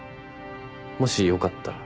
もしよかったら。